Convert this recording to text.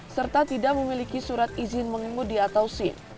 serta tidak memiliki surat izin mengemudi atau sim